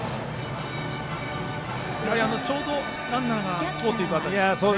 ちょうどランナーが通っていく辺りですかね。